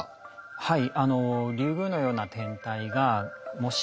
はい。